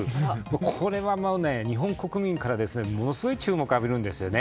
これは日本国民からものすごい注目を浴びるんですね。